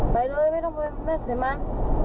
ไปเลยไม่ต้องไปมาตรวจมัน